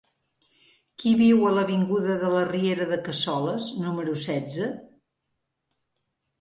Qui viu a l'avinguda de la Riera de Cassoles número setze?